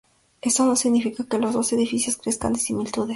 Esto no significa que los dos edificios carezcan de similitudes.